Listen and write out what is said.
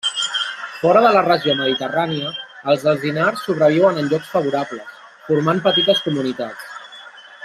Fora de la regió mediterrània els alzinars sobreviuen en llocs favorables, formant petites comunitats.